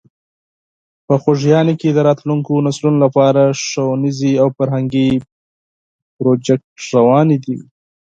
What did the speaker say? په خوږیاڼي کې د راتلونکو نسلونو لپاره ښوونیزې او فرهنګي پروژې روانې دي.